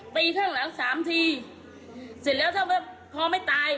ไปข้างหลังสามทีเสร็จแล้วถ้าพอไม่ตาย